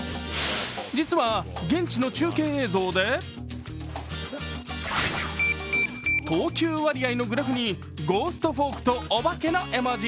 実は現地の中継映像で投球割合のグラフにゴーストフォークとお化けの絵文字。